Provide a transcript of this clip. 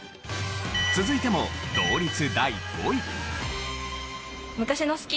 続いても同率第５位。